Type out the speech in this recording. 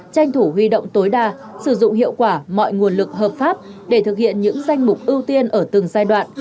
tranh thủ huy động tối đa sử dụng hiệu quả mọi nguồn lực hợp pháp để thực hiện những danh mục ưu tiên ở từng giai đoạn